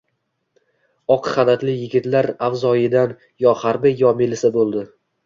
Oq xalatli yigitlar avzoyidan... yo harbiy, yo melisa bo‘ldi.